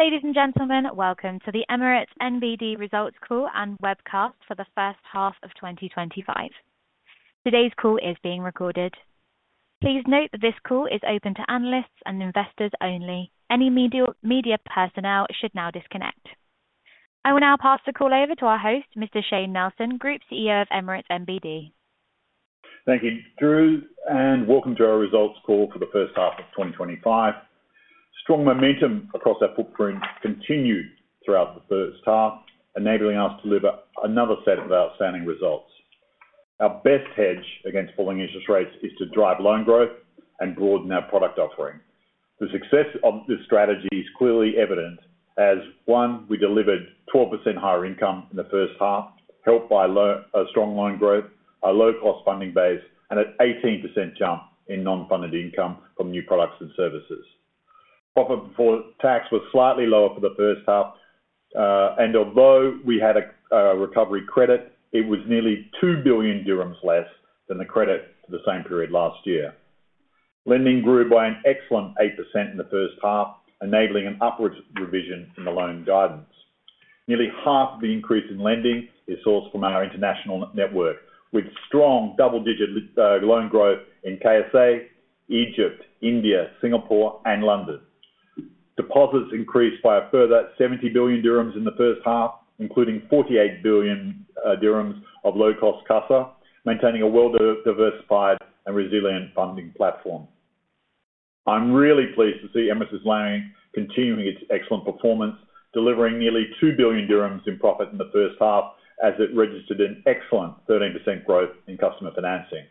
Ladies and gentlemen, welcome to the Emirates NBD results call and webcast for the first half of 2025. Today's call is being recorded. Please note that this call is open to analysts and investors only. Any media personnel should now disconnect. I will now pass the call over to our host, Mr. Shayne Nelson, Group CEO of Emirates NBD. Thank you, Dru, and welcome to our results call for the first half of 2025. Strong momentum across our footprint continued throughout the first half, enabling us to deliver another set of outstanding results. Our best hedge against falling interest rates is to drive loan growth and broaden our product offering. The success of this strategy is clearly evident as, one, we delivered 12% higher income in the first half, helped by strong loan growth, a low-cost funding base, and an 18% jump in non-funded income from new products and services. Profit before tax was slightly lower for the first half. Although we had a recovery credit, it was nearly 2 billion dirhams less than the credit for the same period last year. Lending grew by an excellent 8% in the first half, enabling an upward revision in the loan guidance. Nearly half of the increase in lending is sourced from our international network, with strong double-digit loan growth in KSA, Egypt, India, Singapore, and London. Deposits increased by a further 70 billion dirhams in the first half, including 48 billion dirhams of low-cost CASA, maintaining a well-diversified and resilient funding platform. I'm really pleased to see Emirates Islamic continuing its excellent performance, delivering nearly 2 billion dirhams in profit in the first half as it registered an excellent 13% growth in customer financing.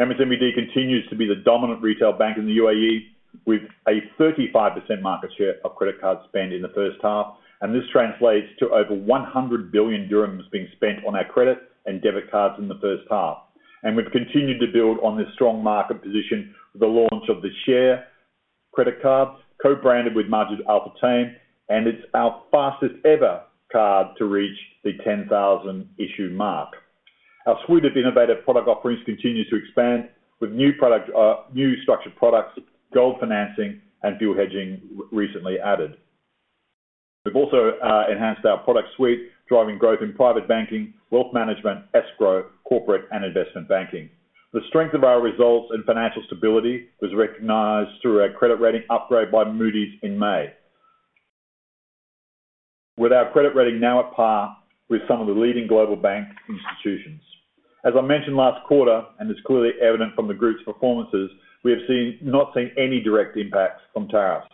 Emirates NBD continues to be the dominant retail bank in the UAE, with a 35% market share of credit card spend in the first half, and this translates to over 100 billion dirhams being spent on our credit and debit cards in the first half. We have continued to build on this strong market position with the launch of the SHARE credit card, co-branded with Majid Al Futtaim, and it is our fastest-ever card to reach the 10,000-issue mark. Our suite of innovative product offerings continues to expand, with new structured products, gold financing, and fuel hedging recently added. We have also enhanced our product suite, driving growth in private banking, wealth management, escrow, corporate, and investment banking. The strength of our results and financial stability was recognized through our credit rating upgrade by Moody's in May, with our credit rating now at par with some of the leading global bank institutions. As I mentioned last quarter, and as is clearly evident from the group's performances, we have not seen any direct impacts from tariffs.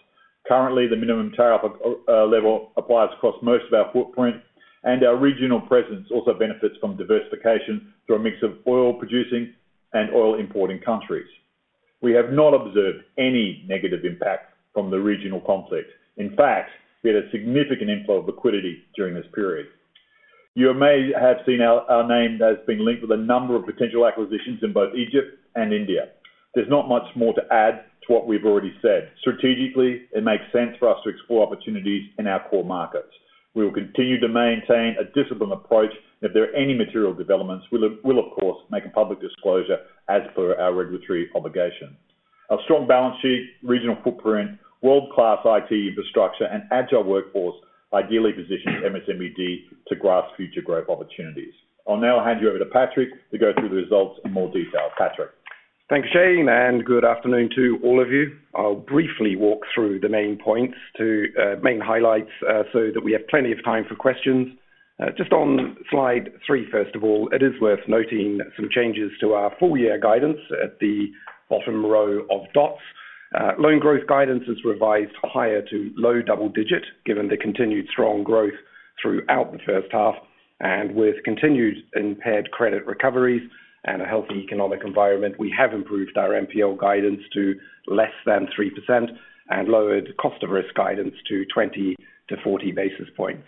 Currently, the minimum tariff level applies across most of our footprint, and our regional presence also benefits from diversification through a mix of oil-producing and oil-importing countries. We have not observed any negative impact from the regional conflict. In fact, we had a significant inflow of liquidity during this period. You may have seen our name has been linked with a number of potential acquisitions in both Egypt and India. There is not much more to add to what we have already said. Strategically, it makes sense for us to explore opportunities in our core markets. We will continue to maintain a disciplined approach, and if there are any material developments, we will, of course, make a public disclosure as per our regulatory obligation. A strong balance sheet, regional footprint, world-class IT infrastructure, and agile workforce ideally positions Emirates NBD to grasp future growth opportunities. I'll now hand you over to Patrick to go through the results in more detail. Patrick. Thanks, Shayne, and good afternoon to all of you. I'll briefly walk through the main points, the main highlights, so that we have plenty of time for questions. Just on slide three, first of all, it is worth noting some changes to our four-year guidance at the bottom row of dots. Loan growth guidance is revised higher to low double-digit, given the continued strong growth throughout the first half. With continued impaired credit recoveries and a healthy economic environment, we have improved our NPL guidance to less than 3% and lowered cost-of-risk guidance to 20-40 basis points.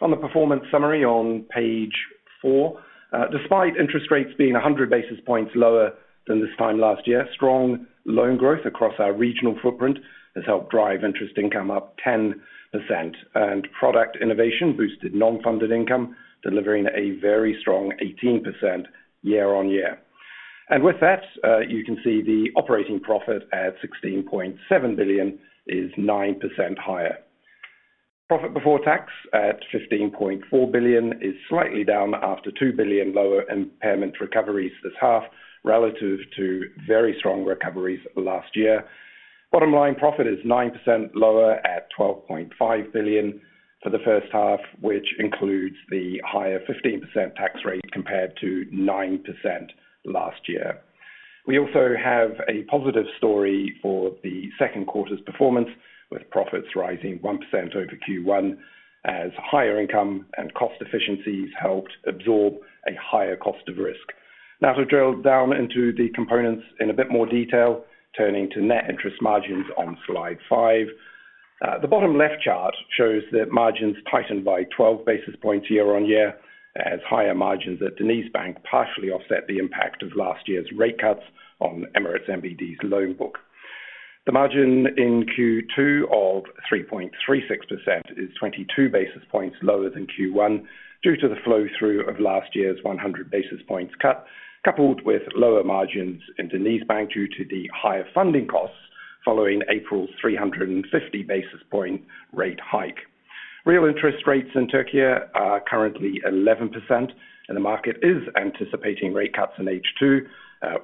On the performance summary on page four, despite interest rates being 100 basis points lower than this time last year, strong loan growth across our regional footprint has helped drive interest income up 10%, and product innovation boosted non-funded income, delivering a very strong 18% year-on-year. With that, you can see the operating profit at 16.7 billion is 9% higher. Profit before tax at 15.4 billion is slightly down after 2 billion lower impairment recoveries this half, relative to very strong recoveries last year. Bottom line profit is 9% lower at 12.5 billion for the first half, which includes the higher 15% tax rate compared to 9% last year. We also have a positive story for the second quarter's performance, with profits rising 1% over Q1 as higher income and cost efficiencies helped absorb a higher cost of risk. Now, to drill down into the components in a bit more detail, turning to net interest margins on slide five, the bottom left chart shows that margins tightened by 12 basis points year-on-year, as higher margins at DenizBank partially offset the impact of last year's rate cuts on Emirates NBD's loan book. The margin in Q2 of 3.36% is 22 basis points lower than Q1 due to the flow-through of last year's 100 basis points cut, coupled with lower margins in DenizBank due to the higher funding costs following April's 350 basis point rate hike. Real interest rates in Türkiye are currently 11%, and the market is anticipating rate cuts in H2,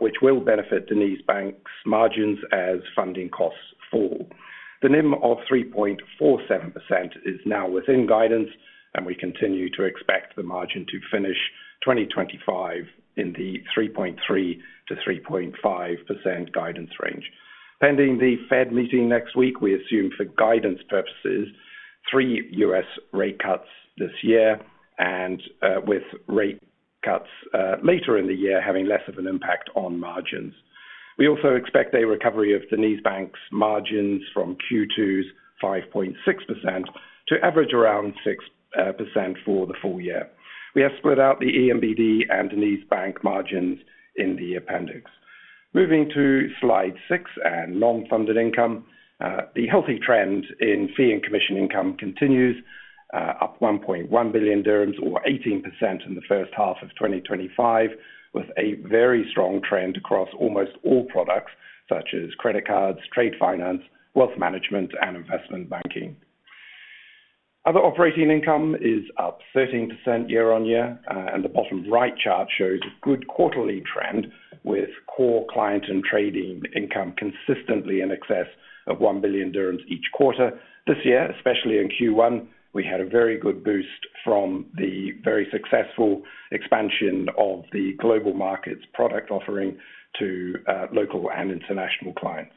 which will benefit DenizBank's margins as funding costs fall. The net interest margin of 3.47% is now within guidance, and we continue to expect the margin to finish 2025 in the 3.3%-3.5% guidance range. Pending the Fed meeting next week, we assume for guidance purposes, three U.S. rate cuts this year, with rate cuts later in the year having less of an impact on margins. We also expect a recovery of DenizBank's margins from Q2's 5.6% to average around 6% for the full year. We have split out the ENBD and DenizBank margins in the appendix. Moving to slide six and non-funded income, the healthy trend in fee and commission income continues. Up 1.1 billion dirhams, or 18% in the first half of 2025, with a very strong trend across almost all products such as credit cards, trade finance, wealth management, and investment banking. Other operating income is up 13% year-on-year, and the bottom right chart shows a good quarterly trend, with core client and trading income consistently in excess of 1 billion dirhams each quarter. This year, especially in Q1, we had a very good boost from the very successful expansion of the global market's product offering to local and international clients.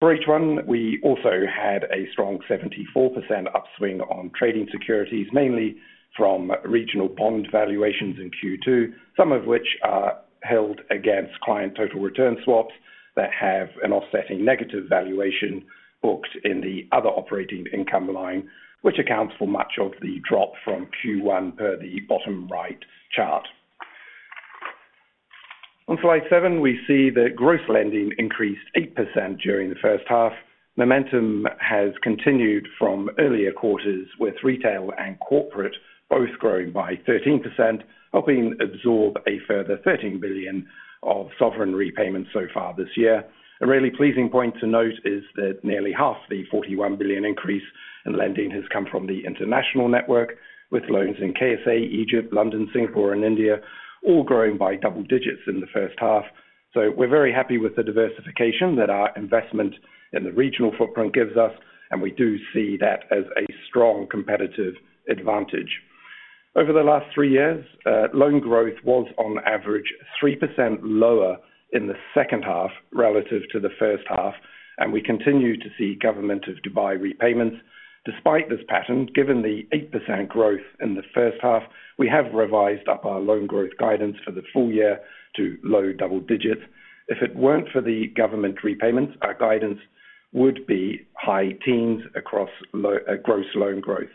For H1, we also had a strong 74% upswing on trading securities, mainly from regional bond valuations in Q2, some of which are held against client total return swaps that have an offsetting negative valuation booked in the other operating income line, which accounts for much of the drop from Q1 per the bottom right chart. On slide seven, we see that gross lending increased 8% during the first half. Momentum has continued from earlier quarters, with retail and corporate both growing by 13%, helping absorb a further 13 billion of sovereign repayments so far this year. A really pleasing point to note is that nearly half the 41 billion increase in lending has come from the international network, with loans in KSA, Egypt, London, Singapore, and India all growing by double digits in the first half. We are very happy with the diversification that our investment in the regional footprint gives us, and we do see that as a strong competitive advantage. Over the last three years, loan growth was on average 3% lower in the second half relative to the first half, and we continue to see Government of Dubai repayments. Despite this pattern, given the 8% growth in the first half, we have revised up our loan growth guidance for the full year to low double digits. If it were not for the government repayments, our guidance would be high teens across gross loan growth.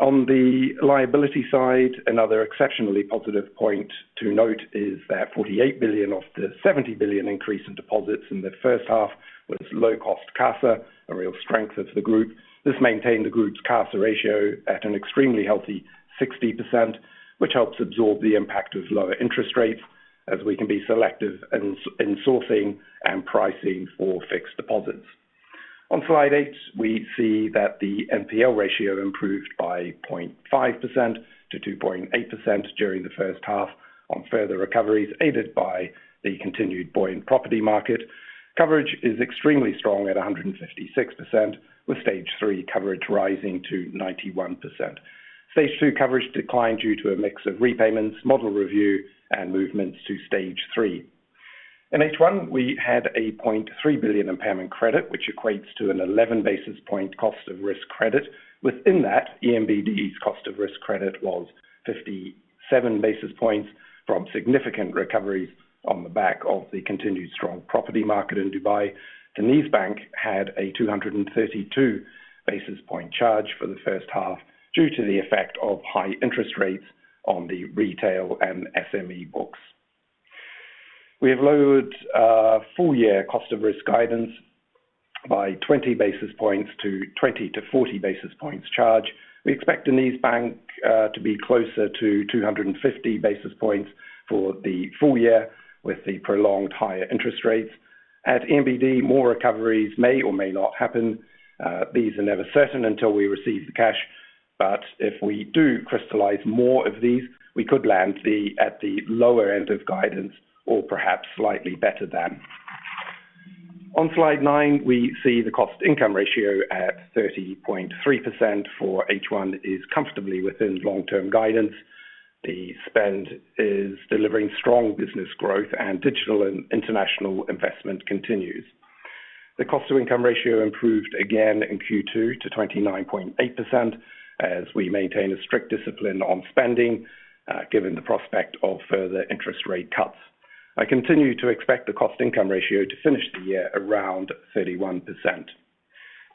On the liability side, another exceptionally positive point to note is that 48 billion of the 70 billion increase in deposits in the first half was low-cost CASA, a real strength of the group. This maintained the Group's CASA ratio at an extremely healthy 60%, which helps absorb the impact of lower interest rates as we can be selective in sourcing and pricing for fixed deposits. On slide eight, we see that the NPL ratio improved by 0.5%-2.8% during the first half on further recoveries, aided by the continued buoyant property market. Coverage is extremely strong at 156%, with stage three coverage rising to 91%. Stage two coverage declined due to a mix of repayments, model review, and movements to stage three. In H1, we had a 0.3 billion impairment credit, which equates to an 11 basis point cost-of-risk credit. Within that, ENBD's cost-of-risk credit was 57 basis points from significant recoveries on the back of the continued strong property market in Dubai. DenizBank had a 232 basis point charge for the first half due to the effect of high interest rates on the retail and SME books. We have lowered full-year cost-of-risk guidance by 20 basis points to 20-40 basis points charge. We expect DenizBank to be closer to 250 basis points for the full year with the prolonged higher interest rates. At ENBD, more recoveries may or may not happen. These are never certain until we receive the cash, but if we do crystallize more of these, we could land at the lower end of guidance or perhaps slightly better than. On slide nine, we see the cost income ratio at 30.3% for H1 is comfortably within long-term guidance. The spend is delivering strong business growth, and digital and international investment continues. The cost-to-income ratio improved again in Q2 to 29.8% as we maintain a strict discipline on spending, given the prospect of further interest rate cuts. I continue to expect the cost income ratio to finish the year around 31%.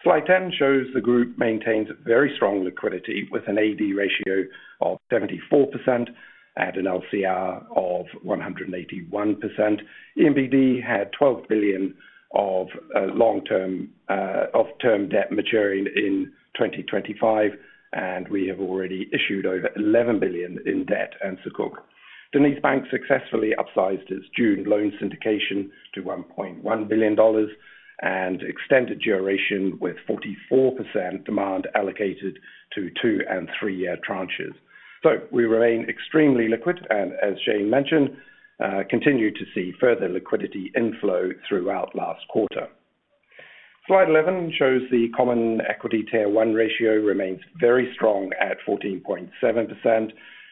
Slide 10 shows the Group maintains very strong liquidity with an AD ratio of 74% and an LCR of 181%. ENBD had 12 billion of term debt maturing in 2025, and we have already issued over 11 billion in debt and sukuk. DenizBank successfully upsized its June loan syndication to $1.1 billion and extended duration with 44% demand allocated to two and three-year tranches. We remain extremely liquid, and as Shayne mentioned, continue to see further liquidity inflow throughout last quarter. Slide 11 shows the common equity tier one ratio remains very strong at 14.7%.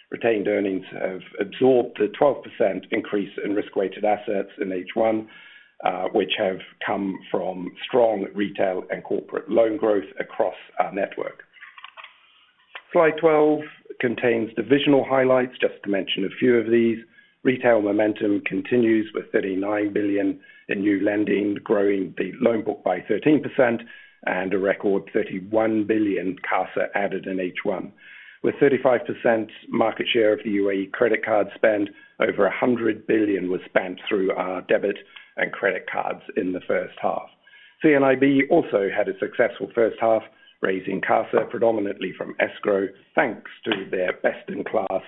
Retained earnings have absorbed the 12% increase in risk-weighted assets in H1, which have come from strong retail and corporate loan growth across our network. Slide 12 contains divisional highlights, just to mention a few of these. Retail momentum continues with 39 billion in new lending, growing the loan book by 13% and a record 31 billion CASA added in H1. With 35% market share of the UAE credit card spend, over 100 billion was spent through our debit and credit cards in the first half. C&IB also had a successful first half, raising CASA predominantly from escrow, thanks to their best-in-class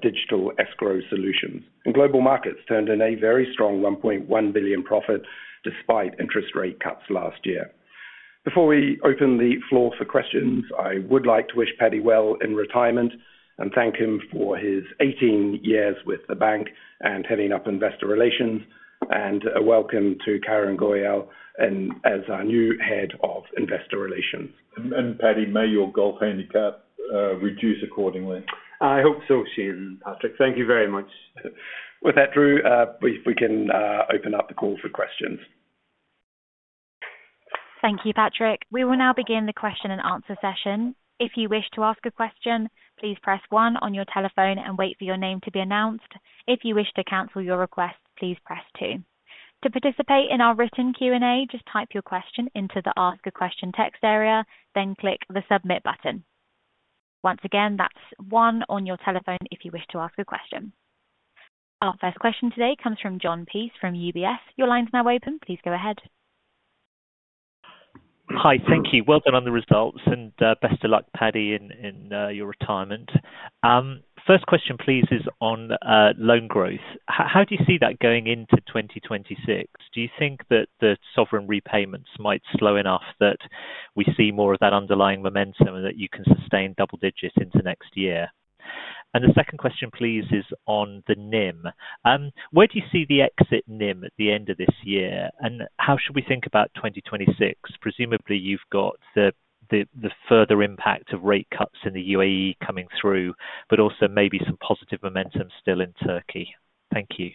digital escrow solutions. Global markets turned in a very strong 1.1 billion profit despite interest rate cuts last year. Before we open the floor for questions, I would like to wish Paddy well in retirement and thank him for his 18 years with the bank and heading up investor relations. A welcome Karan Goyal as our new Head of Investor Relations. Paddy, may your golf handicap reduce accordingly. I hope so, Shayne, Patrick. Thank you very much. With that, Dru, we can open up the call for questions. Thank you, Patrick. We will now begin the question and answer session. If you wish to ask a question, please press one on your telephone and wait for your name to be announced. If you wish to cancel your request, please press two. To participate in our written Q&A, just type your question into the Ask a Question text area, then click the Submit button. Once again, that's one on your telephone if you wish to ask a question. Our first question today comes from Jon Peace from UBS. Your line's now open. Please go ahead. Hi, thank you. Well done on the results, and best of luck, Paddy, in your retirement. First question, please, is on loan growth. How do you see that going into 2026? Do you think that the sovereign repayments might slow enough that we see more of that underlying momentum and that you can sustain double digits into next year? The second question, please, is on the NIM. Where do you see the exit NIM at the end of this year? How should we think about 2026? Presumably, you've got the further impact of rate cuts in the UAE coming through, but also maybe some positive momentum still in Türkiye. Thank you.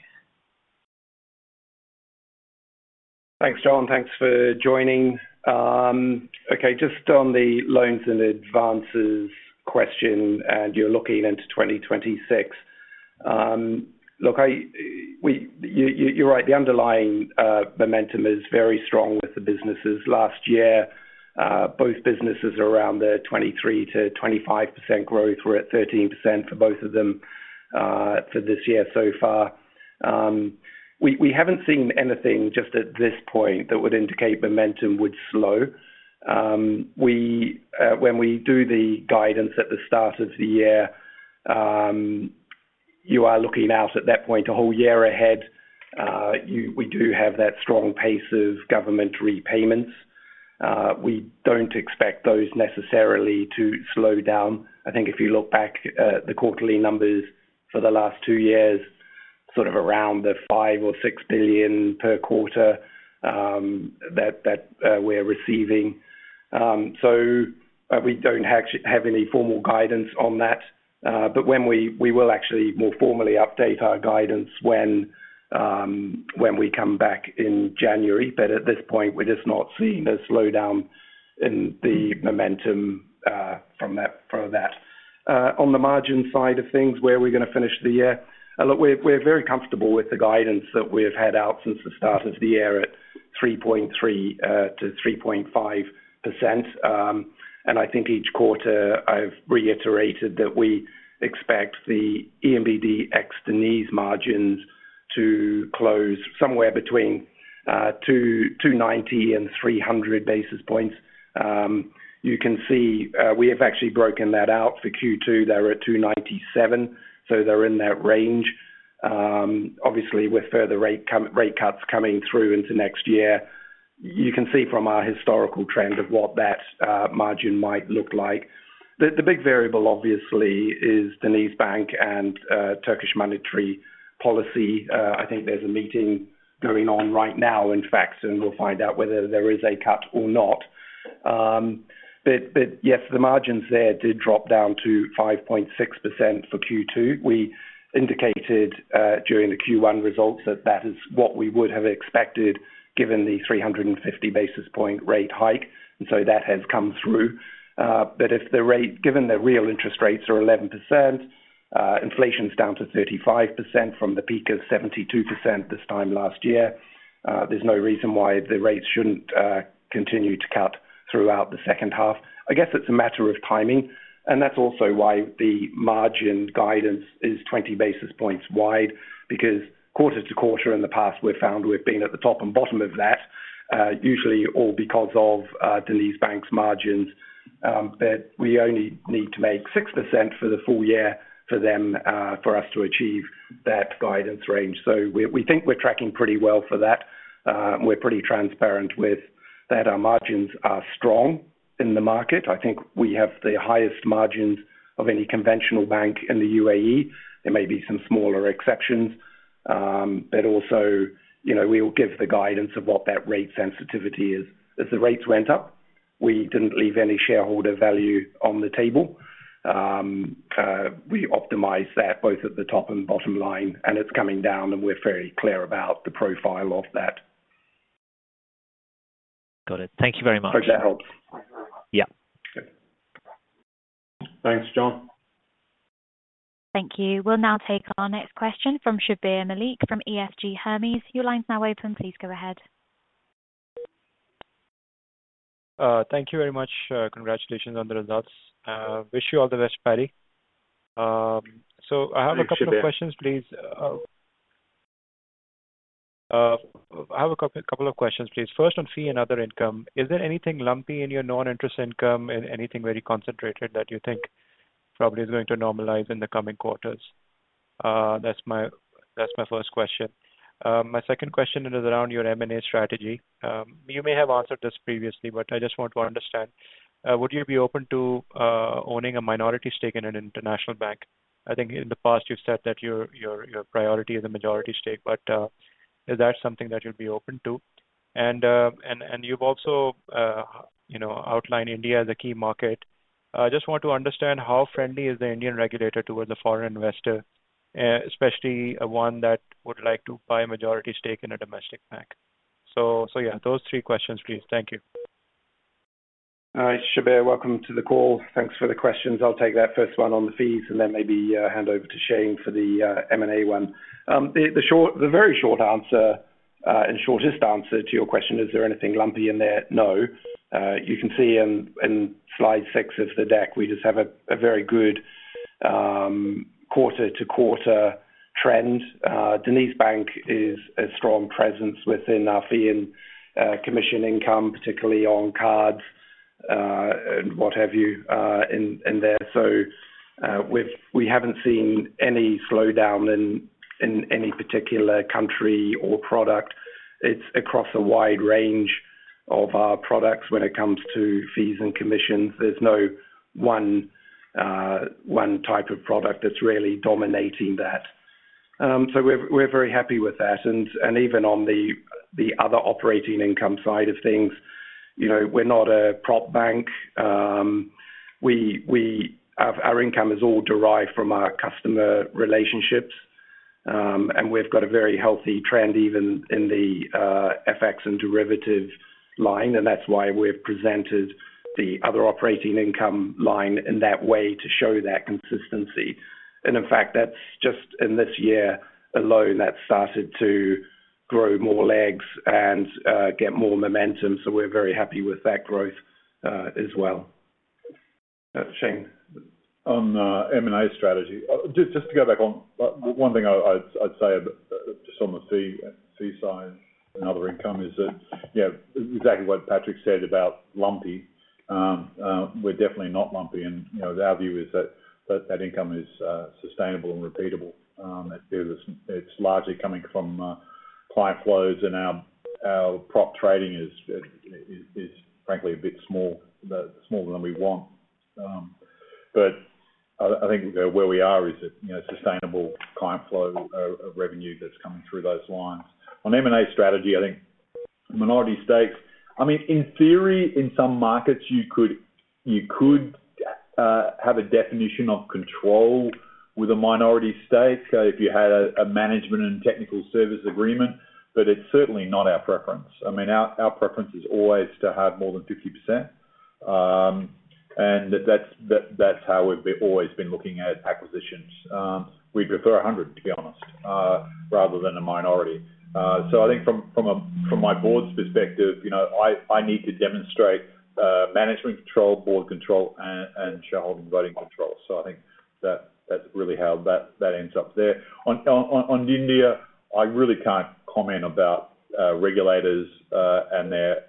Thanks, Jon. Thanks for joining. Okay, just on the loans and advances question, and you're looking into 2026. Look. You're right. The underlying momentum is very strong with the businesses. Last year, both businesses are around the 23%-25% growth. We're at 13% for both of them to this year so far. We haven't seen anything just at this point that would indicate momentum would slow. When we do the guidance at the start of the year, you are looking out at that point a whole year ahead. We do have that strong pace of government repayments. We don't expect those necessarily to slow down. I think if you look back at the quarterly numbers for the last two years, sort of around the 5 billion or 6 billion per quarter that we're receiving. We don't actually have any formal guidance on that, but we will actually more formally update our guidance when we come back in January. At this point, we're just not seeing a slowdown in the momentum from that. On the margin side of things, where are we going to finish the year? Look, we're very comfortable with the guidance that we've had out since the start of the year at 3.3%-3.5%. I think each quarter, I've reiterated that we expect the ENBD ex-Deniz margins to close somewhere between 290 and 300 basis points. You can see we have actually broken that out for Q2. They're at 297, so they're in that range. Obviously, with further rate cuts coming through into next year, you can see from our historical trend of what that margin might look like. The big variable, obviously, is DenizBank and Turkish monetary policy. I think there's a meeting going on right now, in fact, and we'll find out whether there is a cut or not. Yes, the margins there did drop down to 5.6% for Q2. We indicated during the Q1 results that that is what we would have expected given the 350 basis point rate hike, and so that has come through. Given that real interest rates are 11%, inflation's down to 35% from the peak of 72% this time last year, there's no reason why the rates shouldn't continue to cut throughout the second half. I guess it's a matter of timing. That's also why the margin guidance is 20 basis points wide, because quarter-to-quarter in the past, we've found we've been at the top and bottom of that, usually all because of DenizBank's margins. We only need to make 6% for the full year for us to achieve that guidance range. We think we're tracking pretty well for that. We're pretty transparent with that. Our margins are strong in the market. I think we have the highest margins of any conventional bank in the UAE. There may be some smaller exceptions. Also, we will give the guidance of what that rate sensitivity is. As the rates went up, we did not leave any shareholder value on the table. We optimized that both at the top and bottom line, and it is coming down, and we are fairly clear about the profile of that. Got it. Thank you very much. I hope that helps. Yeah. Thanks, Jon. Thank you. We'll now take our next question from Shabbir Malik from EFG Hermes. Your line's now open. Please go ahead. Thank you very much. Congratulations on the results. Wish you all the best, Paddy. Thank you. I have a couple of questions, please. First, on fee and other income, is there anything lumpy in your non-interest income and anything very concentrated that you think probably is going to normalize in the coming quarters? That is my first question. My second question is around your M&A strategy. You may have answered this previously, but I just want to understand. Would you be open to owning a minority stake in an international bank? I think in the past, you have said that your priority is a majority stake, but is that something that you would be open to? You have also outlined India as a key market. I just want to understand how friendly is the Indian regulator towards a foreign investor, especially one that would like to buy a majority stake in a domestic bank? Those three questions, please. Thank you. Shabbir, welcome to the call. Thanks for the questions. I'll take that first one on the fees and then maybe hand over to Shayne for the M&A one. The very short answer, and shortest answer to your question, is there anything lumpy in there? No. You can see in slide six of the deck, we just have a very good quarter-to-quarter trend. DenizBank is a strong presence within our fee and commission income, particularly on cards and what have you in there. We haven't seen any slowdown in any particular country or product. It's across a wide range of our products when it comes to fees and commissions. There's no one type of product that's really dominating that. We're very happy with that. Even on the other operating income side of things, we're not a prop bank. Our income is all derived from our customer relationships. We've got a very healthy trend even in the FX and derivative line. That's why we've presented the other operating income line in that way to show that consistency. In fact, that's just in this year alone that started to grow more legs and get more momentum. We're very happy with that growth as well. Shayne, On M&A strategy, just to go back on one thing I'd say just on the fee side and other income is that, yeah, exactly what Patrick said about lumpy. We're definitely not lumpy. Our view is that, that income is sustainable and repeatable. It's largely coming from client flows. Our prop trading is, frankly, a bit smaller, smaller than we want. I think where we are is a sustainable client flow of revenue that's coming through those lines. On M&A strategy, I think minority stakes, I mean, in theory, in some markets, you could have a definition of control with a minority stake if you had a management and technical service agreement. It's certainly not our preference. Our preference is always to have more than 50%. That's how we've always been looking at acquisitions. We'd prefer 100, to be honest, rather than a minority. I think from my board's perspective, I need to demonstrate management control, board control, and shareholding voting control. I think that's really how that ends up there. On India, I really can't comment about regulators and their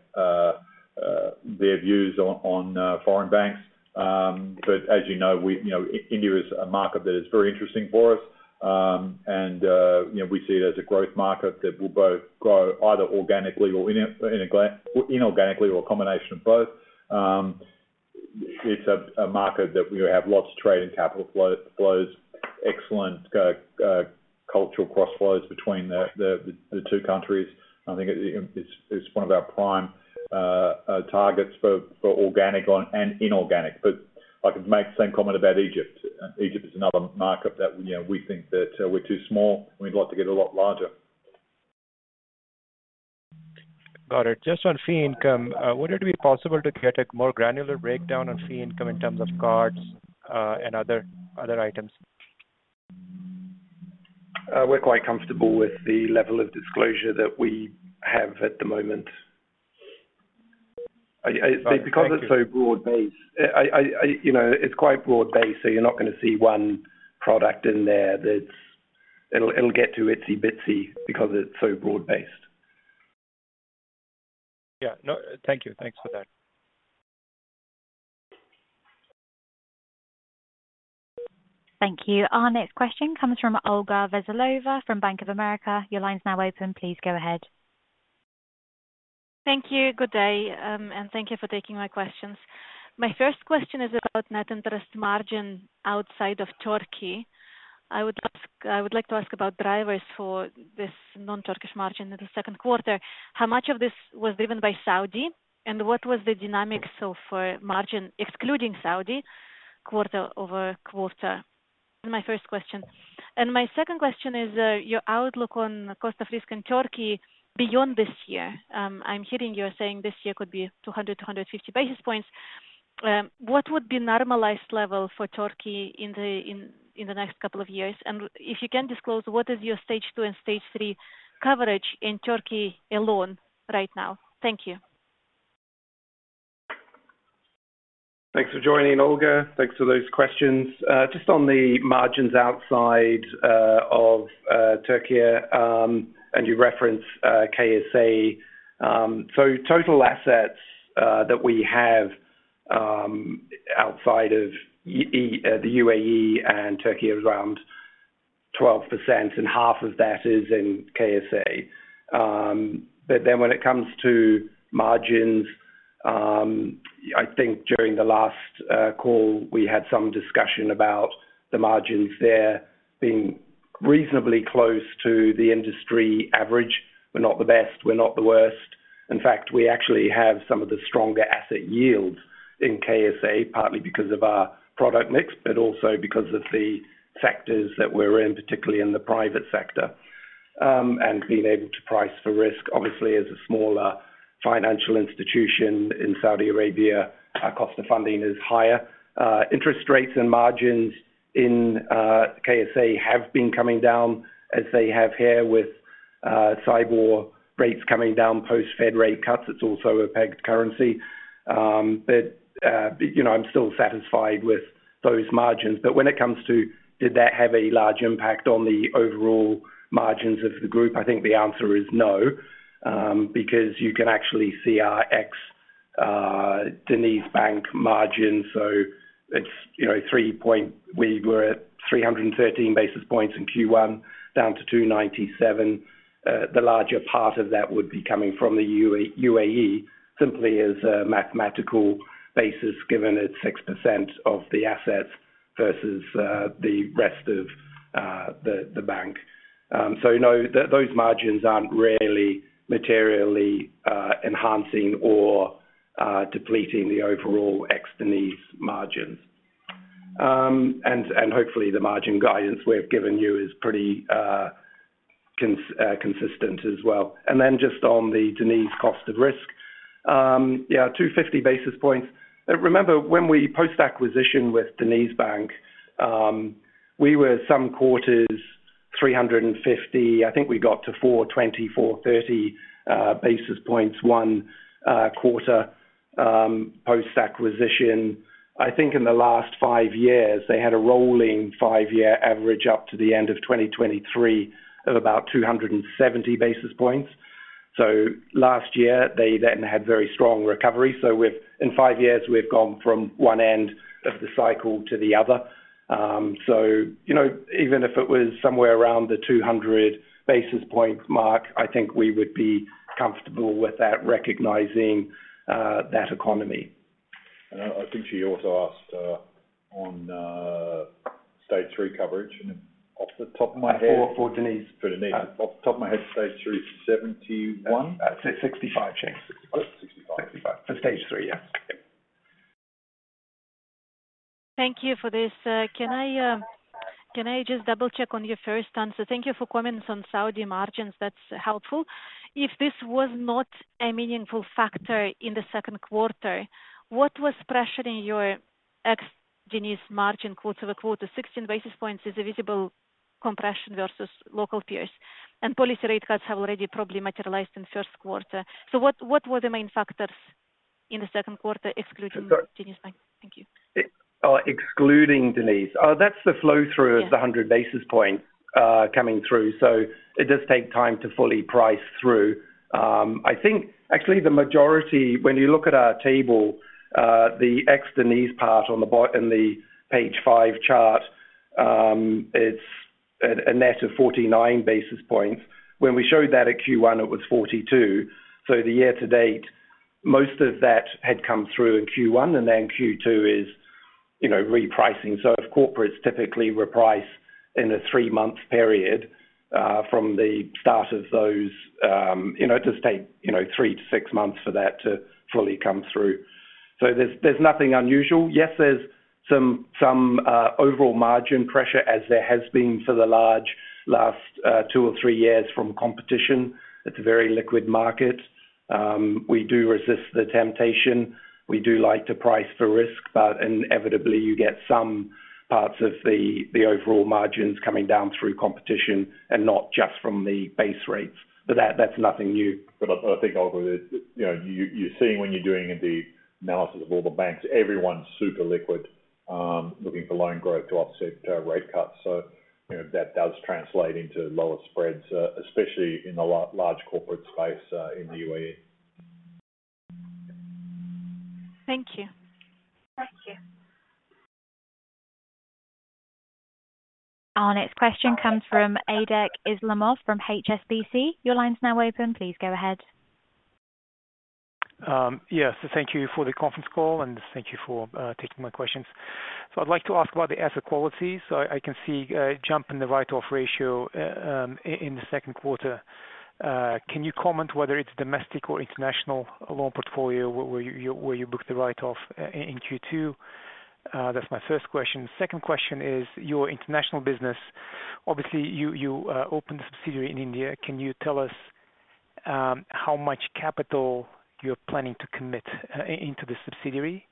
views on foreign banks. As you know, India is a market that is very interesting for us. We see it as a growth market that will both grow either organically or inorganically or a combination of both. It's a market that we have lots of trade and capital flows, excellent cultural crossflows between the two countries. I think it's one of our prime targets for organic and inorganic. I could make the same comment about Egypt. Egypt is another market that we think that we're too small. We'd like to get a lot larger. Got it. Just on fee income, would it be possible to get a more granular breakdown on fee income in terms of cards and other items? We're quite comfortable with the level of disclosure that we have at the moment. Because it's so broad-based. It's quite broad-based, so you're not going to see one product in there that's. It'll get to itsy bitsy because it's so broad-based. Yeah. No, thank you. Thanks for that. Thank you. Our next question comes from Olga Veselova from Bank of America. Your line's now open. Please go ahead. Thank you. Good day. And thank you for taking my questions. My first question is about net interest margin outside of Türkiye. I would like to ask about drivers for this non-Turkish margin in the second quarter. How much of this was driven by Saudi? And what was the dynamic so far margin excluding Saudi quarter-over-quarter? My first question. And my second question is your outlook on the cost of risk in Türkiye beyond this year. I'm hearing you are saying this year could be 200 basis points-250 basis points. What would be the normalized level for Türkiye in the next couple of years? And if you can disclose, what is your stage two and stage three coverage in Türkiye alone right now? Thank you. Thanks for joining, Olga. Thanks for those questions. Just on the margins outside of Türkiye. And you referenced KSA. So total assets that we have outside of the UAE and Türkiye are around 12%, and half of that is in KSA. When it comes to margins, I think during the last call, we had some discussion about the margins there being reasonably close to the industry average. We're not the best. We're not the worst. In fact, we actually have some of the stronger asset yields in KSA, partly because of our product mix, but also because of the sectors that we're in, particularly in the private sector, and being able to price for risk. Obviously, as a smaller financial institution in Saudi Arabia, our cost of funding is higher. Interest rates and margins in KSA have been coming down as they have here with SAIBOR rates coming down post Fed rate cuts. It's also a pegged currency. I'm still satisfied with those margins. When it comes to, did that have a large impact on the overall margins of the group? I think the answer is no, because you can actually see our ex-DenizBank margin. So it's 3 point. We were at 313 basis points in Q1, down to 297. The larger part of that would be coming from the UAE simply as a mathematical basis, given it's 6% of the assets versus the rest of the bank. Those margins aren't really materially enhancing or depleting the overall ex-Deniz margins. Hopefully, the margin guidance we've given you is pretty consistent as well. Then just on the Deniz cost of risk. Yeah, 250 basis points. Remember, when we post-acquisition with DenizBank, we were some quarters 350. I think we got to 420, 430 basis points one quarter post-acquisition. I think in the last five years, they had a rolling five-year average up to the end of 2023 of about 270 basis points. Last year, they then had very strong recovery. In five years, we've gone from one end of the cycle to the other. Even if it was somewhere around the 200 basis point mark, I think we would be comfortable with that, recognizing that economy. I think she also asked on stage three coverage off the top of my head. For Deniz? Off the top of my head, stage three is 71? I'd say 65, Shayne. 65? 65. For stage three, yes. Thank you for this. Can I just double-check on your first answer? Thank you for comments on Saudi margins. That is helpful. If this was not a meaningful factor in the second quarter, what was pressuring your ex-Deniz margin quarter-over-quarter? 16 basis points is a visible compression versus local peers. Policy rate cuts have already probably materialized in the first quarter. What were the main factors in the second quarter, excluding DenizBank? Thank you. Excluding Deniz. That's the flow through is the 100 basis points coming through. It does take time to fully price through. I think actually the majority, when you look at our table, the ex-Deniz part on the page five chart. It's a net of 49 basis points. When we showed that at Q1, it was 42. The year-to-date, most of that had come through in Q1. Q2 is repricing. If corporates typically reprice in a three-month period from the start of those, it does take three to six months for that to fully come through. There's nothing unusual. Yes, there's some overall margin pressure, as there has been for the last two or three years from competition. It's a very liquid market. We do resist the temptation. We do like to price for risk, but inevitably, you get some parts of the overall margins coming down through competition and not just from the base rates. That's nothing new. You're seeing when you're doing the analysis of all the banks, everyone's super liquid looking for loan growth to offset rate cuts. That does translate into lower spreads, especially in the large corporate space in the UAE. Thank you. Thank you. Our next question comes from Aybek Islamov from HSBC. Your line's now open. Please go ahead. Yes. Thank you for the conference call. Thank you for taking my questions. I'd like to ask about the asset quality. I can see a jump in the write-off ratio in the second quarter. Can you comment whether it's domestic or international loan portfolio where you book the write-off in Q2? That's my first question. Second question is your international business. Obviously, you opened a subsidiary in India. Can you tell us how much capital you're planning to commit into the subsidiary,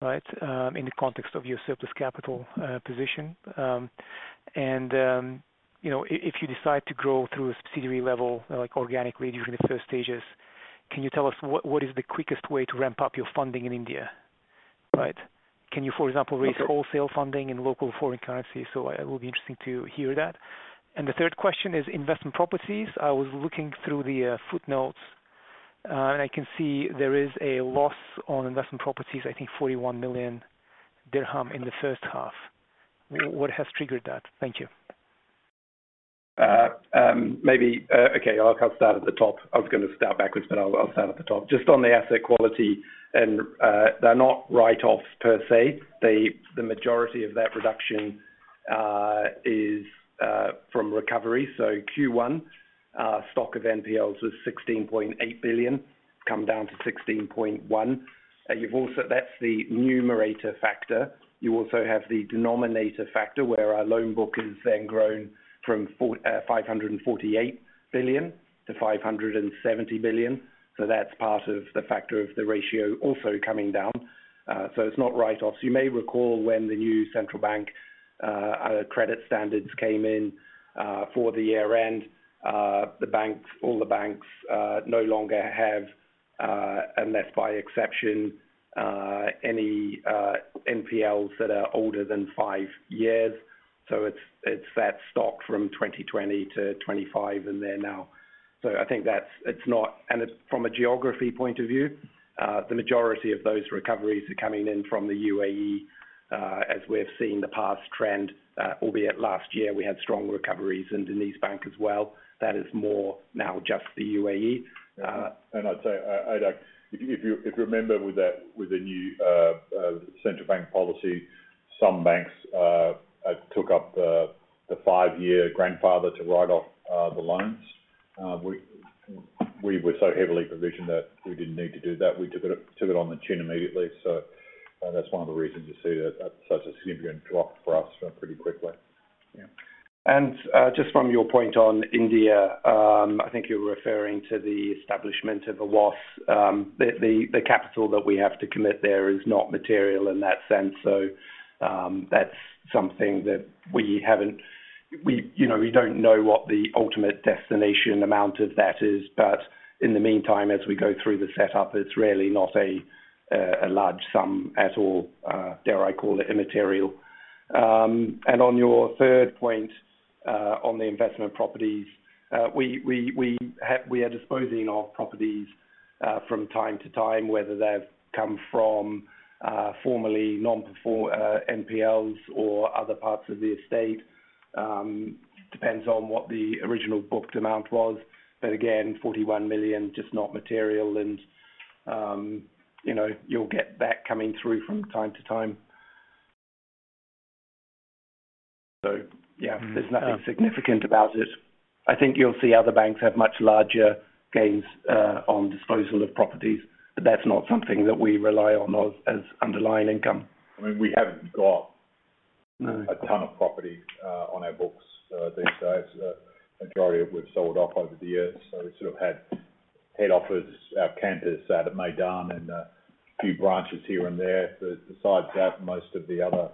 right, in the context of your surplus capital position? If you decide to grow through a subsidiary level like organically during the first stages, can you tell us what is the quickest way to ramp up your funding in India, right? Can you, for example, raise wholesale funding in local foreign currency? It will be interesting to hear that. The third question is investment properties. I was looking through the footnotes, and I can see there is a loss on investment properties, I think, 41 million dirham in the first half. What has triggered that? Thank you. Maybe, okay, I'll start at the top. I was going to start backwards, but I'll start at the top. Just on the asset quality, and they're not write-offs per se. The majority of that reduction is from recovery. Q1, stock of NPLs was 16.8 billion, come down to 16.1 billion. That's the numerator factor. You also have the denominator factor where our loan book has then grown from 548 billion-570 billion. That's part of the factor of the ratio also coming down. It's not write-offs. You may recall when the new central bank credit standards came in for the year-end. All the banks no longer have, unless by exception, any NPLs that are older than five years. It's that stock from 2020 to 2025 in there now. I think it's not, and from a geography point of view, the majority of those recoveries are coming in from the UAE as we've seen the past trend, albeit last year we had strong recoveries in DenizBank as well. That is more now just the UAE. I'd say, Aybek, if you remember with the new central bank policy, some banks took up the five-year grandfather to write off the loans. We were so heavily provisioned that we didn't need to do that. We took it on the chin immediately. That's one of the reasons you see such a significant drop for us pretty quickly. Yeah. Just from your point on India, I think you're referring to the establishment of a WOS. The capital that we have to commit there is not material in that sense. That is something that we have not. We do not know what the ultimate destination amount of that is. In the meantime, as we go through the setup, it is really not a large sum at all, dare I call it immaterial. On your third point, on the investment properties, we are disposing of properties from time to time, whether they have come from formerly non-performing NPLs or other parts of the estate. It depends on what the original booked amount was. Again, 41 million, just not material. You will get that coming through from time to time. There is nothing significant about it. I think you will see other banks have much larger gains on disposal of properties, but that is not something that we rely on as underlying income. I mean, we haven't got a ton of property on our books these days. The majority we've sold off over the years. We sort of had head office, our campus out at Meydan and a few branches here and there. Besides that, most of the other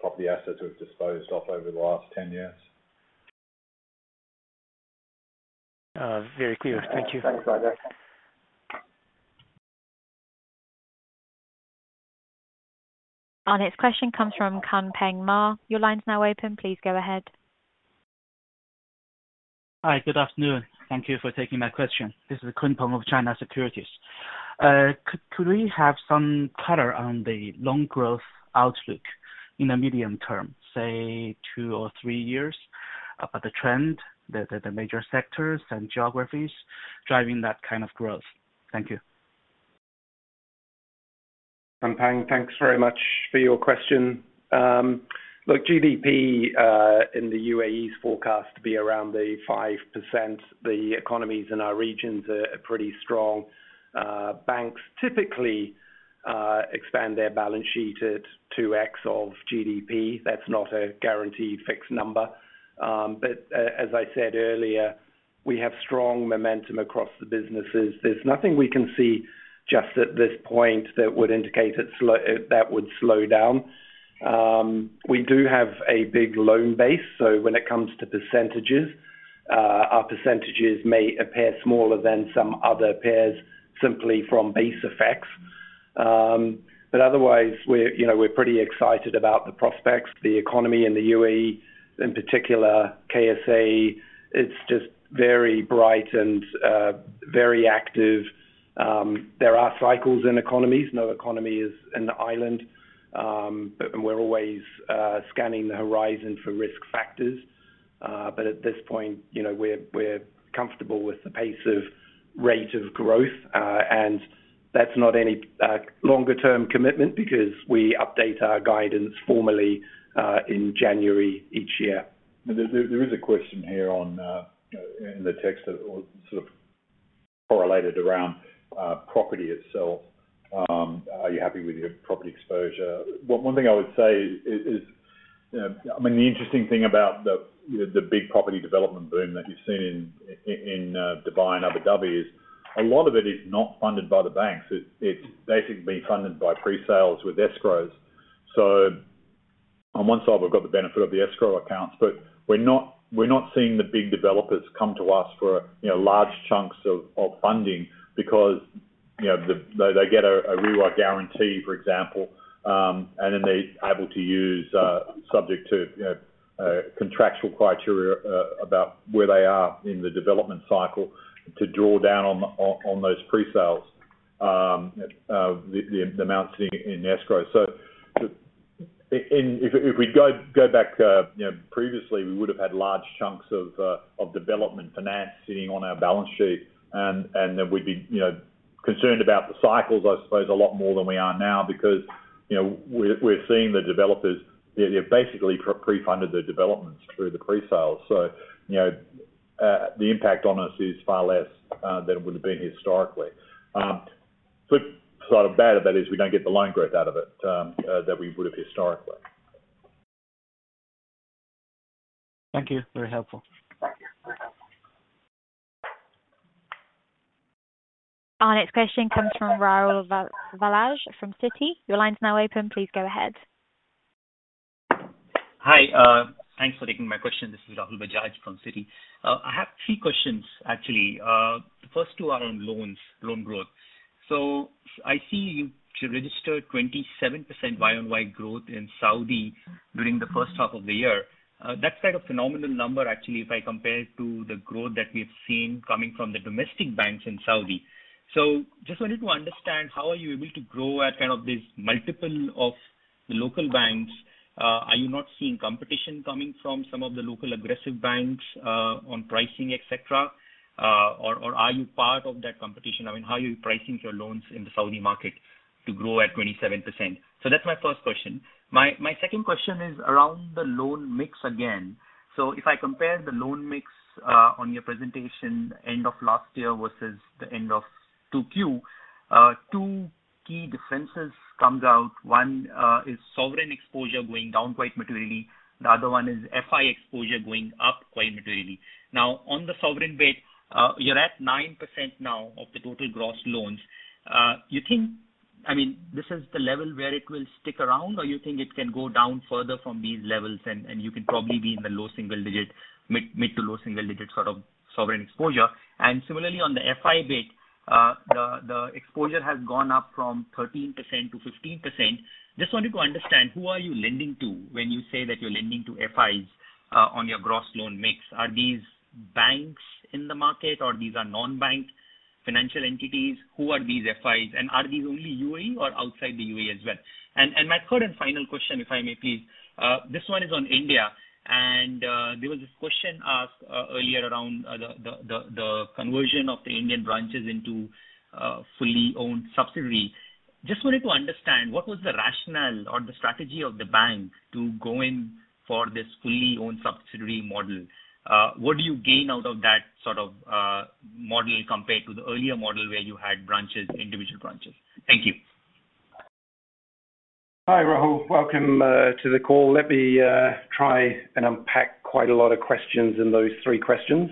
property assets we've disposed of over the last 10 years. Very clear. Thank you. Our next question comes from Kunpeng Ma. Your line's now open. Please go ahead. Hi, good afternoon. Thank you for taking my question. This is Kunpeng Ma of China Securities. Could we have some color on the loan growth outlook in the medium term, say two or three years, about the trend, the major sectors and geographies driving that kind of growth? Thank you. Kanpeng, thanks very much for your question. Look, GDP in the UAE is forecast to be around the 5%. The economies in our regions are pretty strong. Banks typically expand their balance sheet at 2x of GDP. That's not a guaranteed fixed number. As I said earlier, we have strong momentum across the businesses. There's nothing we can see just at this point that would indicate that would slow down. We do have a big loan base. When it comes to percentages, our percentages may appear smaller than some other peers simply from base effects. Otherwise, we're pretty excited about the prospects. The economy in the UAE, in particular, KSA, it's just very bright and very active. There are cycles in economies. No economy is an island. We're always scanning the horizon for risk factors. At this point, we're comfortable with the pace of rate of growth. That's not any longer-term commitment because we update our guidance formally in January each year. There is a question here in the text that was sort of correlated around property itself. Are you happy with your property exposure? One thing I would say is, I mean, the interesting thing about the big property development boom that you've seen in Dubai and Abu Dhabi is a lot of it is not funded by the banks. It's basically being funded by pre-sales with escrows. On one side, we've got the benefit of the escrow accounts, but we're not seeing the big developers come to us for large chunks of funding because they get a reward guarantee, for example, and then they're able to use, subject to contractual criteria about where they are in the development cycle, to draw down on those pre-sales, the amounts sitting in escrows. If we go back previously, we would have had large chunks of development finance sitting on our balance sheet, and then we'd be concerned about the cycles, I suppose, a lot more than we are now because we're seeing the developers, they've basically pre-funded the developments through the pre-sales. The impact on us is far less than it would have been historically. The sort of bad of that is we don't get the loan growth out of it that we would have historically. Thank you. Very helpful. Our next question comes from Rahul Bajaj from Citi. Your line's now open. Please go ahead. Hi. Thanks for taking my question. This is Rahul Bajaj from Citi. I have three questions, actually. The first two are on loans, loan growth. I see you register 27% YoY growth in Saudi during the first half of the year. That is quite a phenomenal number, actually, if I compare it to the growth that we have seen coming from the domestic banks in Saudi. I just wanted to understand, how are you able to grow at kind of this multiple of the local banks? Are you not seeing competition coming from some of the local aggressive banks on pricing, etc.? Or are you part of that competition? I mean, how are you pricing your loans in the Saudi market to grow at 27%? That is my first question. My second question is around the loan mix again. If I compare the loan mix on your presentation end of last year versus the end of 2Q, two key differences come out. One is sovereign exposure going down quite materially. The other one is FI exposure going up quite materially. Now, on the sovereign bit, you are at 9% now of the total gross loans. Do you think, I mean, this is the level where it will stick around, or do you think it can go down further from these levels and you can probably be in the low single digit, mid to low single digit sort of sovereign exposure? Similarly, on the FI bit, the exposure has gone up from 13%-15%. I just wanted to understand, who are you lending to when you say that you are lending to FIs on your gross loan mix? Are these banks in the market, or these are non-bank financial entities? Who are these FIs? Are these only UAE or outside the UAE as well? My third and final question, if I may please, this one is on India. There was this question asked earlier around the conversion of the Indian branches into a fully-owned subsidiary. I just wanted to understand, what was the rationale or the strategy of the bank to go in for this fully-owned subsidiary model? What do you gain out of that sort of model compared to the earlier model where you had individual branches? Thank you. Hi, Rahul. Welcome to the call. Let me try and unpack quite a lot of questions in those three questions.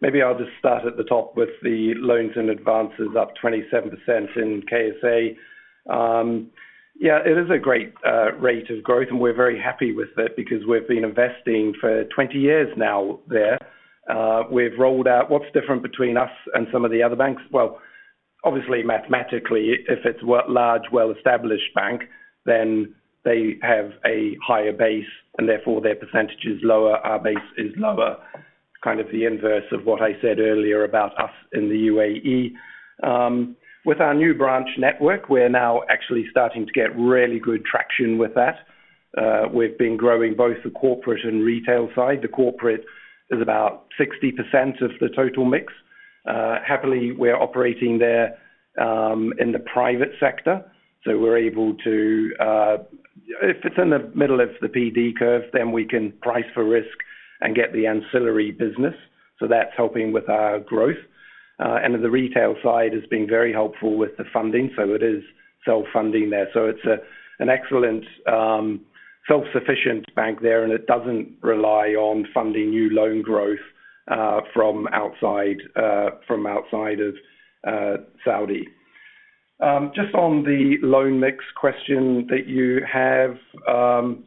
Maybe I'll just start at the top with the loans and advances up 27% in KSA. Yeah, it is a great rate of growth, and we're very happy with it because we've been investing for 20 years now there. We've rolled out. What's different between us and some of the other banks? Obviously, mathematically, if it's a large, well-established bank, then they have a higher base, and therefore their percentage is lower, our base is lower. Kind of the inverse of what I said earlier about us in the UAE. With our new branch network, we're now actually starting to get really good traction with that. We've been growing both the corporate and retail side. The corporate is about 60% of the total mix. Happily, we're operating there in the private sector. We're able to, if it's in the middle of the PD curve, then we can price for risk and get the ancillary business. That's helping with our growth. The retail side has been very helpful with the funding. It is self-funding there. It's an excellent, self-sufficient bank there, and it doesn't rely on funding new loan growth from outside of Saudi. Just on the loan mix question that you have.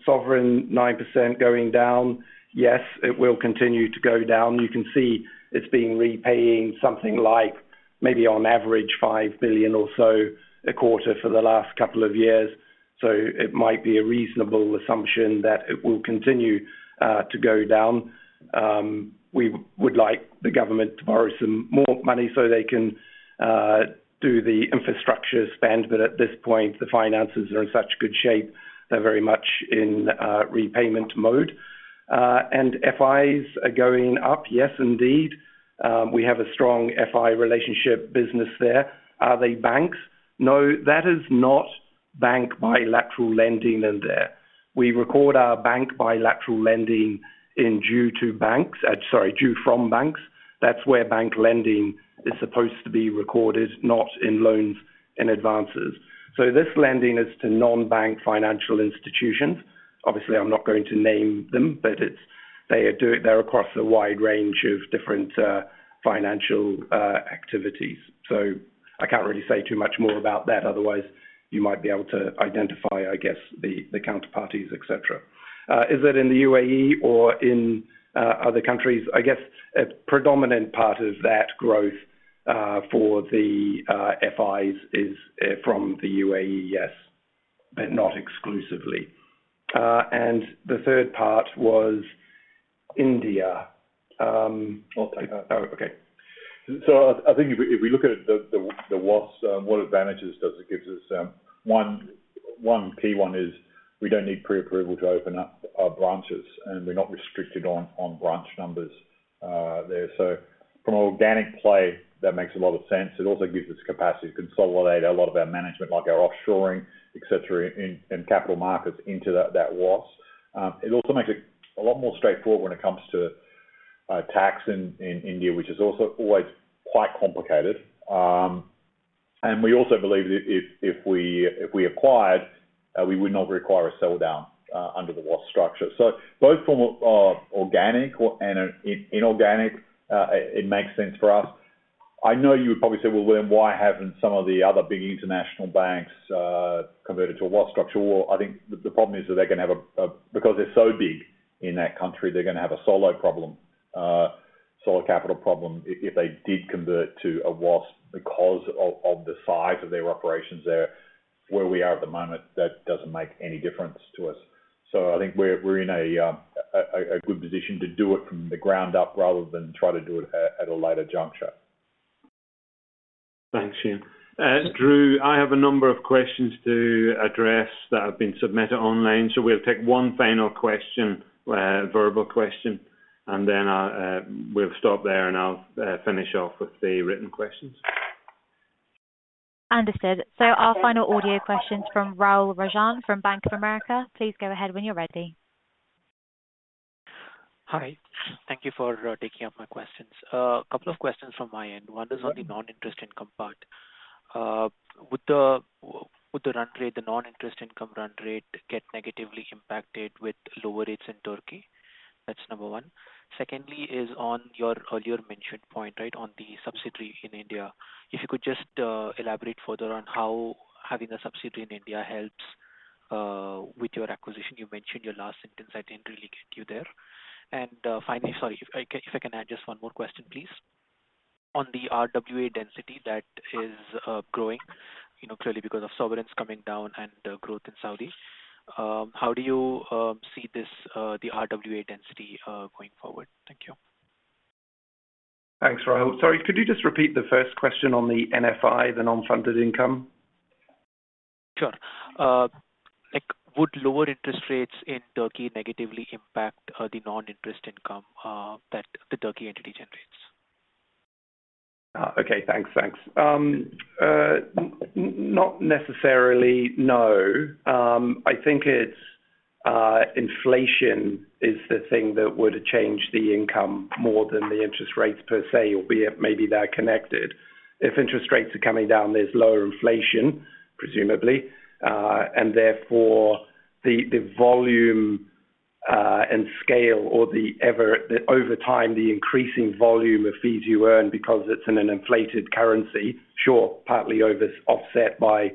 Sovereign 9% going down, yes, it will continue to go down. You can see it's been repaying something like maybe on average 5 billion or so a quarter for the last couple of years. It might be a reasonable assumption that it will continue to go down. We would like the government to borrow some more money so they can do the infrastructure spend, but at this point, the finances are in such good shape they're very much in repayment mode. FIs are going up, yes, indeed. We have a strong FI relationship business there. Are they banks? No, that is not bank bilateral lending in there. We record our bank bilateral lending in due to banks, sorry, due from banks. That's where bank lending is supposed to be recorded, not in loans and advances. This lending is to non-bank financial institutions. Obviously, I'm not going to name them, but they're across a wide range of different financial activities. I can't really say too much more about that. Otherwise, you might be able to identify, I guess, the counterparties, etcetra. Is it in the UAE or in other countries? I guess a predominant part of that growth for the FIs is from the UAE, yes, but not exclusively. The third part was India. I'll take that. Okay. I think if we look at the WOS, what advantages does it give us? One key one is we do not need pre-approval to open up our branches, and we are not restricted on branch numbers there. From an organic play, that makes a lot of sense. It also gives us capacity to consolidate a lot of our management, like our offshoring, etc., and capital markets into that WOS. It also makes it a lot more straightforward when it comes to tax in India, which is also always quite complicated. We also believe that if we acquired, we would not require a sell-down under the WOS structure. Both from organic and inorganic, it makes sense for us. I know you would probably say, why have not some of the other big international banks converted to a WOS structure? I think the problem is that they are going to have a, because they are so big in that country, they are going to have a solo problem, solo capital problem if they did convert to a WOS because of the size of their operations there. Where we are at the moment, that does not make any difference to us. I think we are in a good position to do it from the ground up rather than try to do it at a later juncture. Thanks, Shayne. Dru, I have a number of questions to address that have been submitted online. We'll take one final question, verbal question, and then we'll stop there and I'll finish off with the written questions. Understood. So our final audio questions from Rahul Rajan from Bank of America. Please go ahead when you're ready. Hi. Thank you for taking up my questions. A couple of questions from my end. One is on the non-interest income part. Would the run rate, the non-interest income run rate, get negatively impacted with lower rates in Türkiye? That's number one. Secondly is on your earlier mentioned point, right, on the subsidiary in India. If you could just elaborate further on how having a subsidiary in India helps with your acquisition. You mentioned your last sentence. I didn't really get you there. Finally, sorry, if I can add just one more question, please. On the RWA density that is growing, clearly because of sovereigns coming down and growth in Saudi, how do you see the RWA density going forward? Thank you. Thanks, Rahul. Sorry, could you just repeat the first question on the NFI, the non-funded income? Sure. Would lower interest rates in Türkiye negatively impact the non-interest income that the Türkiye entity generates? Okay. Thanks. Not necessarily, no. I think. Inflation is the thing that would have changed the income more than the interest rates per se, albeit maybe they're connected. If interest rates are coming down, there's lower inflation, presumably, and therefore. The volume and scale, or the, over time, the increasing volume of fees you earn because it's in an inflated currency, sure, partly offset by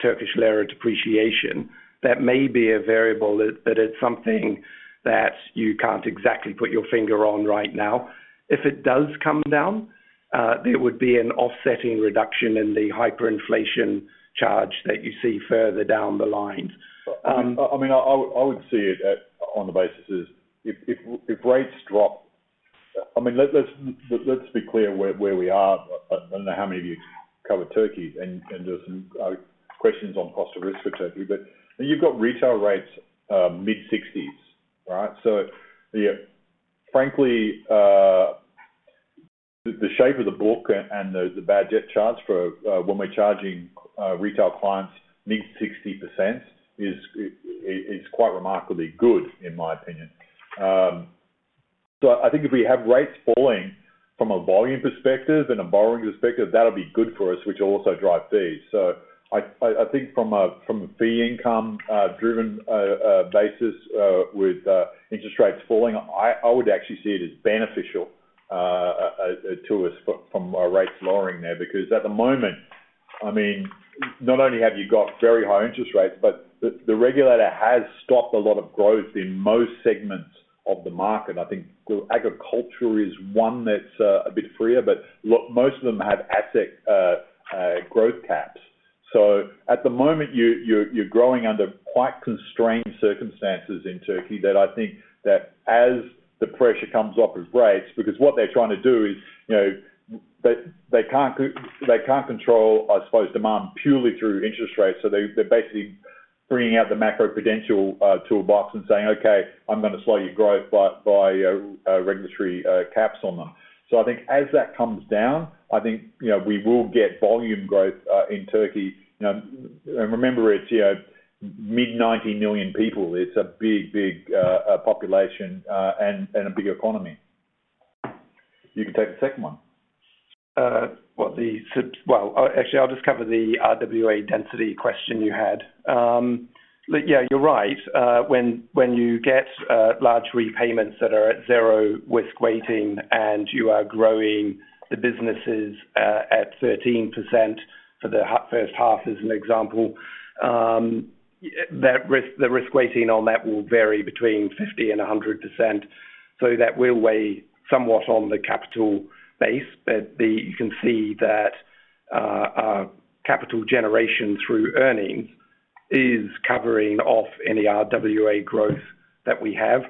Turkish lira depreciation, that may be a variable, but it's something that you can't exactly put your finger on right now. If it does come down, there would be an offsetting reduction in the hyperinflation charge that you see further down the line. I mean, I would see it on the basis is if rates drop. I mean, let's be clear where we are. I don't know how many of you cover Türkiye and do some questions on cost of risk for Türkiye, but you've got retail rates mid-60s, right? So. Frankly. The shape of the book and the bad debt charge for when we're charging retail clients mid-60% is quite remarkably good, in my opinion. So I think if we have rates falling from a volume perspective and a borrowing perspective, that'll be good for us, which will also drive fees. So I think from a fee income-driven basis with interest rates falling, I would actually see it as beneficial. To us from rates lowering there because at the moment, I mean, not only have you got very high interest rates, but the regulator has stopped a lot of growth in most segments of the market. I think agriculture is one that's a bit freer, but most of them have asset growth caps. So at the moment, you're growing under quite constrained circumstances in Türkiye that I think that as the pressure comes off of rates, because what they're trying to do is. They can't control, I suppose, demand purely through interest rates. So they're basically bringing out the macro prudential toolbox and saying, "Okay, I'm going to slow your growth by regulatory caps on them." So I think as that comes down, I think we will get volume growth in Türkiye. And remember, its mid-90 million people. It's a big, big population and a big economy. You can take the second one. Actually, I'll just cover the RWA density question you had. Yeah, you're right. When you get large repayments that are at zero risk weighting and you are growing the businesses at 13% for the first half, as an example. The risk weighting on that will vary between 50% and 100%. That will weigh somewhat on the capital base, but you can see that capital generation through earnings is covering off any RWA growth that we have.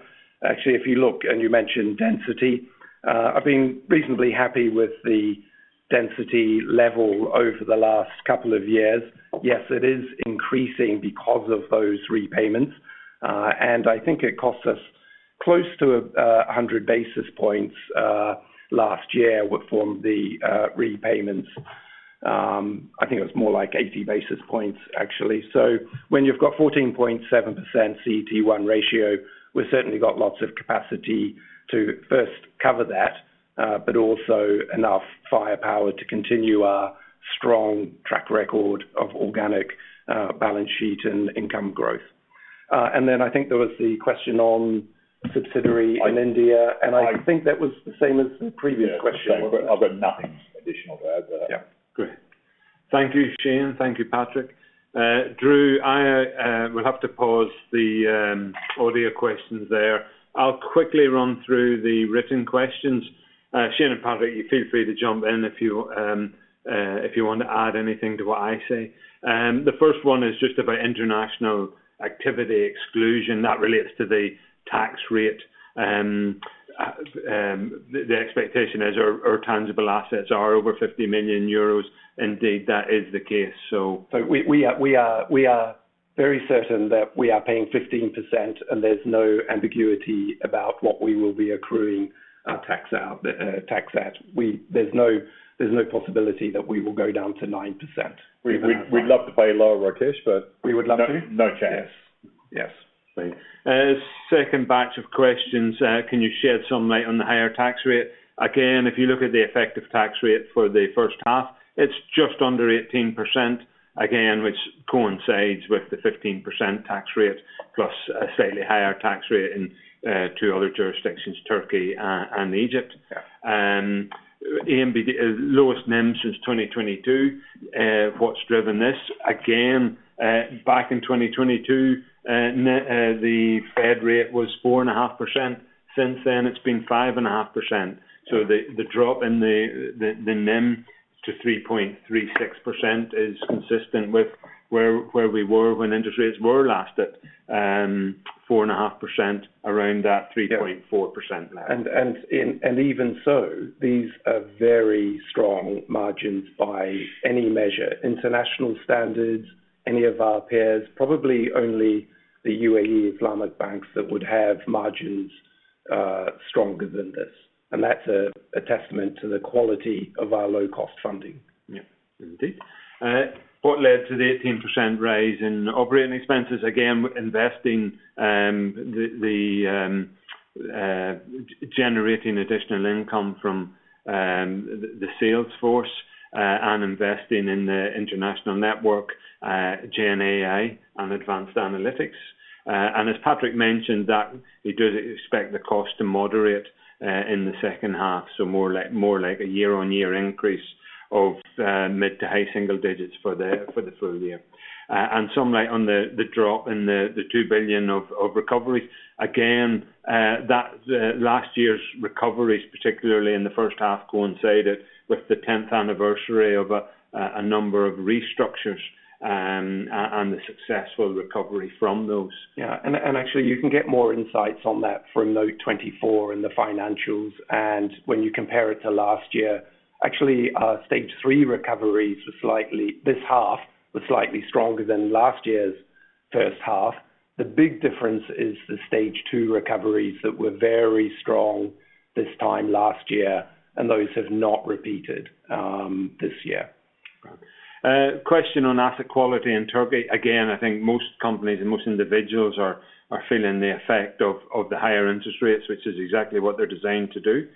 Actually, if you look and you mentioned density, I've been reasonably happy with the density level over the last couple of years. Yes, it is increasing because of those repayments. I think it cost us close to 100 basis points last year from the repayments. I think it was more like 80 basis points, actually. When you've got 14.7% CET1 ratio, we've certainly got lots of capacity to first cover that, but also enough firepower to continue our strong track record of organic balance sheet and income growth. I think there was the question on subsidiary in India, and. I think that was the same as the previous question. I've got nothing additional to add there. Yeah. Great. Thank you, Shayne. Thank you, Patrick. Dru, I will have to pause the audio questions there. I'll quickly run through the written questions. Shayne and Patrick, you feel free to jump in if you want to add anything to what I say. The first one is just about international activity exclusion. That relates to the tax rate. The expectation is our tangible assets are over 50 million euros. Indeed, that is the case. We are very certain that we are paying 15%, and there's no ambiguity about what we will be accruing tax at. There's no possibility that we will go down to 9%. We'd love to pay lower our [Rakesh], but no chance. Second batch of questions. Can you share some light on the higher tax rate? Again, if you look at the effective tax rate for the first half, it's just under 18%, again, which coincides with the 15% tax rate plus a slightly higher tax rate in two other jurisdictions, Türkiye and Egypt. Lowest NIM since 2022. What's driven this? Again, back in 2022. The Fed rate was 4.5%. Since then, it's been 5.5%. So the drop in the NIM to 3.36% is consistent with where we were when interest rates were last at 4.5%, around that 3.4% level. Even so, these are very strong margins by any measure. International standards, any of our peers, probably only the UAE Islamic banks that would have margins stronger than this. That is a testament to the quality of our low-cost funding. Yeah. Indeed. What led to the 18% raise in operating expenses? Again, investing. Generating additional income from the sales force and investing in the international network. GenAI and Advanced Analytics. As Patrick mentioned, he does expect the cost to moderate in the second half, so more like a year-on-year increase of mid to high single digits for the full year. Some light on the drop in the 2 billion of recoveries. Last year's recoveries, particularly in the first half, coincided with the 10th anniversary of a number of restructures and the successful recovery from those. Yeah. Actually, you can get more insights on that from note 24 in the financials. When you compare it to last year, stage three recoveries this half were slightly stronger than last year's first half. The big difference is the stage two recoveries that were very strong this time last year, and those have not repeated this year. Question on asset quality in Türkiye. I think most companies and most individuals are feeling the effect of the higher interest rates, which is exactly what they are designed to do.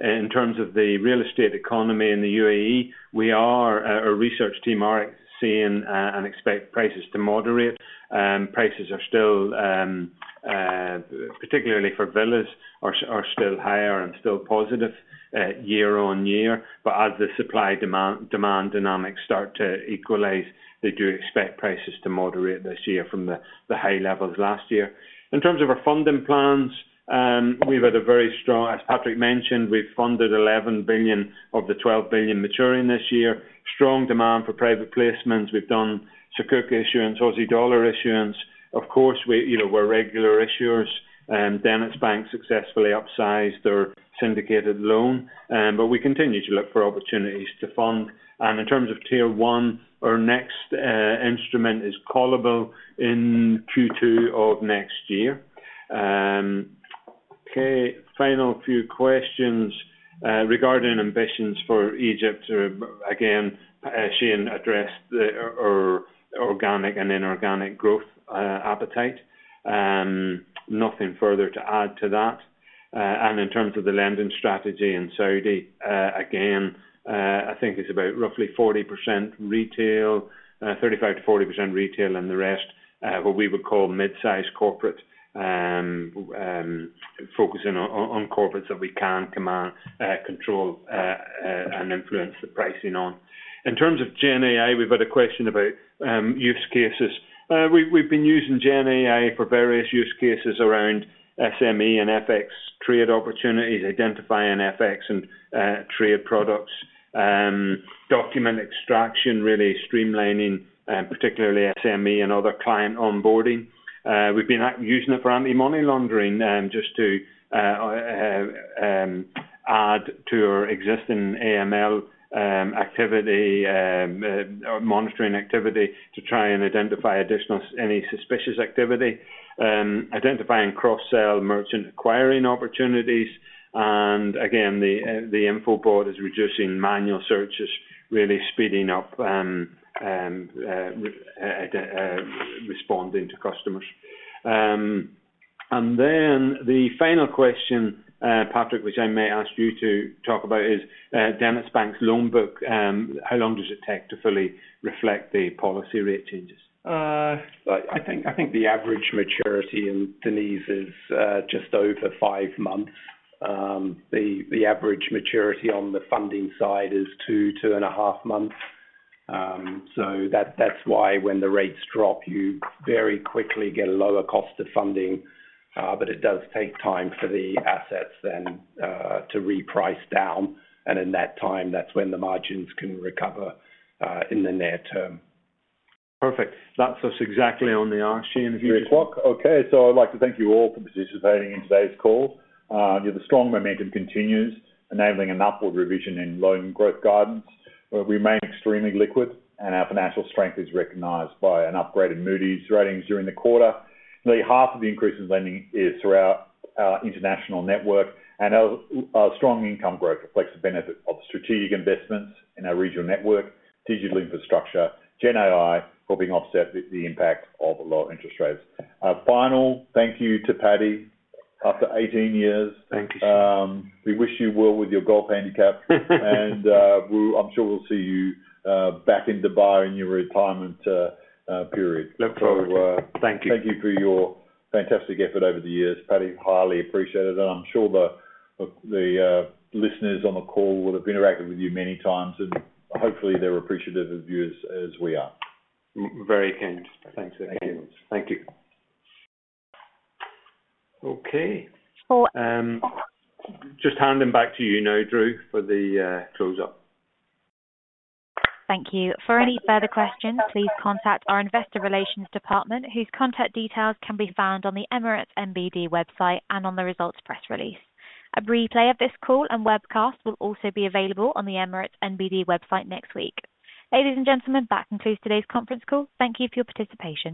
In terms of the real estate economy in the UAE, our research team are seeing and expects prices to moderate. Prices, particularly for villas, are still higher and still positive year-on-year. As the supply-demand dynamics start to equalize, they do expect prices to moderate this year from the high levels last year. In terms of our funding plans, we have had a very strong, as Patrick mentioned, we have funded 11 billion of the 12 billion maturing this year. Strong demand for private placements. We have done sukuk issuance, Aussie dollar issuance. Of course, we are regular issuers. DenizBank successfully upsized their syndicated loan. We continue to look for opportunities to fund. In terms of tier one, our next instrument is callable in Q2 of next year. Final few questions regarding ambitions for Egypt. Again, Shayne addressed the organic and inorganic growth appetite. Nothing further to add to that. In terms of the lending strategy in Saudi, it is about roughly 40% retail, 35%-40% retail, and the rest what we would call mid-sized corporate. Focusing on corporates that we can control and influence the pricing on. In terms of GenAI, we have had a question about use cases. We have been using GenAI for various use cases around SME and FX trade opportunities, identifying FX and trade products. Document extraction, really streamlining, particularly SME and other client onboarding. We have been using it for anti-money laundering just to add to our existing AML activity. Monitoring activity to try and identify any suspicious activity. Identifying cross-sell merchant acquiring opportunities. The info board is reducing manual searches, really speeding up responding to customers. The final question, Patrick, which I may ask you to talk about, is DenizBank's loan book. How long does it take to fully reflect the policy rate changes? I think the average maturity in Deniz is just over five months. The average maturity on the funding side is two, two and a half months. That is why when the rates drop, you very quickly get a lower cost of funding. It does take time for the assets then to reprice down. In that time, that is when the margins can recover in the near term. Perfect. That's us exactly on the hour, Shayne [if you would]. Okay. I’d like to thank you all for participating in today’s call. The strong momentum continues, enabling an upward revision in loan growth guidance. We remain extremely liquid, and our financial strength is recognized by an upgraded Moody’s rating during the quarter. Nearly half of the increase in lending is throughout our international network, and our strong income growth reflects the benefit of strategic investments in our regional network, digital infrastructure, and GenAI, helping offset the impact of lower interest rates. Finally, thank you to Paddy after 18 years. Thank you, sir. We wish you well with your golf handicap. I am sure we'll see you back in Dubai in your retirement. Look forward to it. Thank you. Thank you for your fantastic effort over the years. Paddy, highly appreciated. I am sure the listeners on the call would have interacted with you many times, and hopefully they are appreciative of you as we are. [Many thanks]. Thanks again. Thank you. Okay. Just handing back to you now, Dru, for the close-up. Thank you. For any further questions, please contact our investor relations department, whose contact details can be found on the Emirates NBD website and on the results press release. A replay of this call and webcast will also be available on the Emirates NBD website next week. Ladies and gentlemen, that concludes today's conference call. Thank you for your participation.